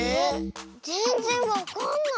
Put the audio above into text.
ぜんぜんわかんない。